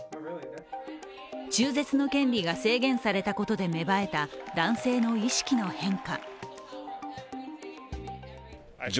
中絶の権利が制限されたことで芽生えた男性の意識の変化。